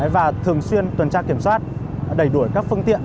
và thường xuyên tuần tra kiểm soát đẩy đuổi các phương tiện